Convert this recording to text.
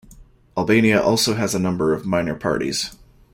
Albania also has a number of minor parties.